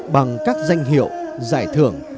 bằng các danh hiệu giải thưởng